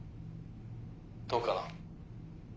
どうかな？